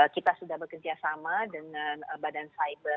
kita sudah bekerjasama dengan badan cyber